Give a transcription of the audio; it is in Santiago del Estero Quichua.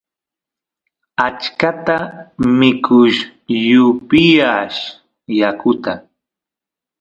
achkata mikush y upiyash yakuta